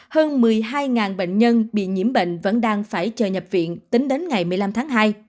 hơn một mươi hai bệnh nhân bị nhiễm bệnh vẫn đang phải chờ nhập viện tính đến ngày một mươi năm tháng hai